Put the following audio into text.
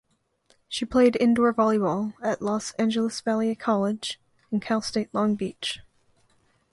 She played indoor volleyball at Los Angeles Valley College and Cal State Long Beach.